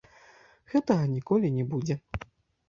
Гэтага ніколі не будзе.